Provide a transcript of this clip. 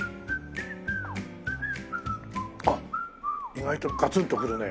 あっ意外とガツンとくるね。